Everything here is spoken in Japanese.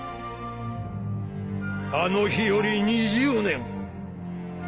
あの日より２０年。